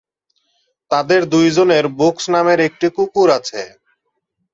তাদের দুইজনের বুকস নামের একটি কুকুর আছে।